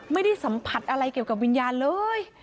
ไม่ได้สัมผัสอะไรเกี่ยวกับวิญญาณเลย